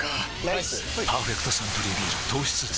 ライス「パーフェクトサントリービール糖質ゼロ」